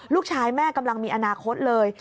ลูกชายแม่กำลังมีอนาคตเลย